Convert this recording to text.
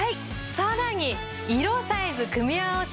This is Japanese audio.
さらに色サイズ組み合わせ